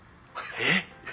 えっ。